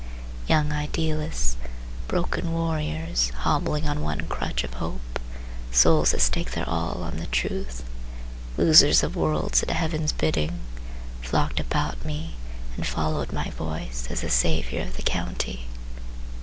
Young idealists, broken warriors, Hobbling on one crutch of hope, Souls that stake their all on the truth, Losers of worlds at heaven's bidding, Flocked about me and followed my voice As the savior of the County.